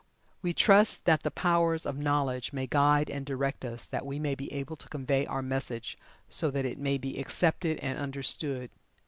We trust that the Powers of Knowledge may guide and direct us that we may be able to convey our message so that it may be accepted and understood.